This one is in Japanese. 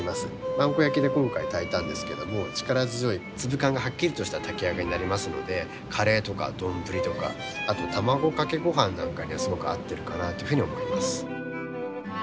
萬古焼で今回炊いたんですけども力強い粒感がはっきりとした炊き上がりになりますのでカレーとか丼とかあと卵かけごはんなんかにはすごく合ってるかなというふうに思います。